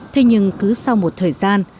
thế nhưng cứ sau một thời gian